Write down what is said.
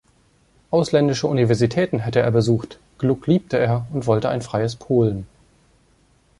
Ausländische Universitäten hätte er besucht, Gluck liebte er und wollte ein freies Polen.